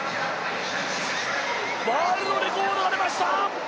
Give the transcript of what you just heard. ワールドレコードが出ました。